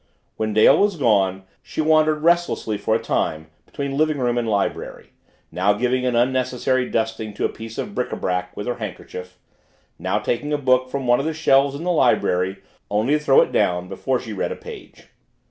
When Dale was gone, she wandered restlessly for some time between living room and library, now giving an unnecessary dusting to a piece of bric a brac with her handkerchief, now taking a book from one of the shelves in the library only to throw it down before she read a page.